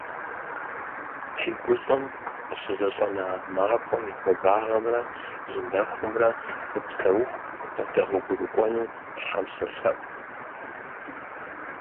Фи гущӏэм къыщызэщӏэна мафӏэм и хуабагъэмрэ и нэхумрэ фыпсэуху къывдэгъуэгурыкӏуэну Тхьэм солъэӏу!